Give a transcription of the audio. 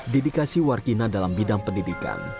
dedikasi warkina dalam bidang pendidikan